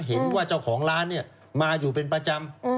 เห็นว่าเจ้าของร้านมาอยู่เป็นประจำ